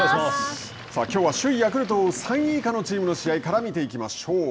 きょうは首位ヤクルトを追う３位以下のチームの試合から見ていきましょう。